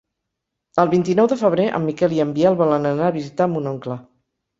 El vint-i-nou de febrer en Miquel i en Biel volen anar a visitar mon oncle.